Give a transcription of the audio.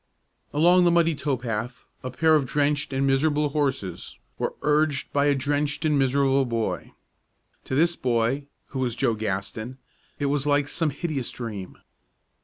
Along the muddy tow path a pair of drenched and miserable horses were urged by a drenched and miserable boy. To this boy, who was Joe Gaston, it was all like some hideous dream.